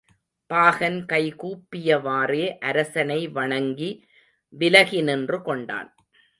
பாகன் கை கூப்பியவாறே அரசனை வணங்கி விலகிநின்று கொண்டான்.